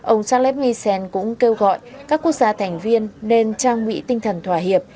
ông charles misen cũng kêu gọi các quốc gia thành viên nên trang bị tinh thần thỏa hiệp